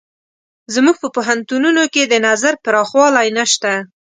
زموږ په پوهنتونونو کې د نظر پراخوالی نشته.